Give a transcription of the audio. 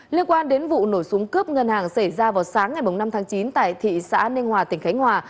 liên quan đến vụ nổ súng cướp ngân hàng xảy ra vào sáng ngày năm tháng chín tại thị xã ninh hòa tỉnh khánh hòa